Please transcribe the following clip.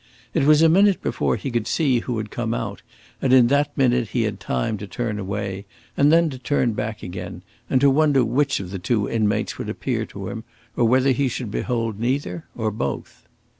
It was a minute before he could see who had come out, and in that minute he had time to turn away and then to turn back again, and to wonder which of the two inmates would appear to him, or whether he should behold neither or both.